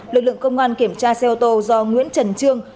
lực lượng công an kiểm tra xe ô tô do nguyễn trần trương